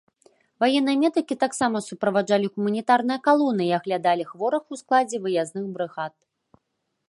Ваенныя медыкі таксама суправаджалі гуманітарныя калоны і аглядалі хворых у складзе выязных брыгад.